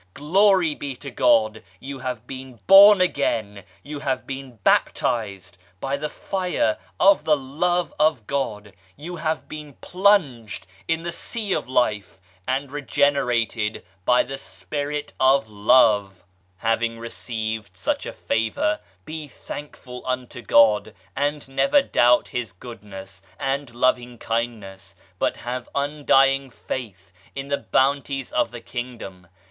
Glory be to God, you have been born again, you have been baptized by the Fire of the Love of God ; you have been THE LAST MEETING 159 plunged in the Sea of Life and regenerated by the Spirit of Love 1 Having received such favour be thankful unto God, and never doubt His Goodness and Loving Kindness but have undying Faith in the Bounties of the Kingdom.